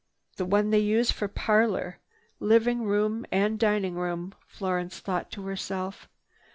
"The one they use for parlor, living room and dining room," Florence thought to herself.